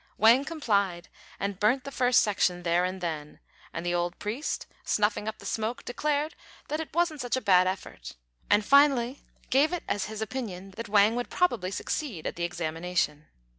Wang complied, and burnt the first section there and then; and the old priest, snuffing up the smoke, declared that it wasn't such a bad effort, and finally gave it as his opinion that Wang would probably succeed at the examination.